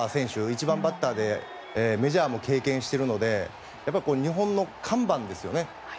１番バッターでメジャーも経験しているので日本の看板ですよね。